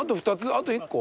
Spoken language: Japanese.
あと１個？